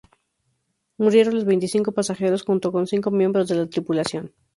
Murieron los veinticinco pasajeros junto con cinco miembros de la tripulación.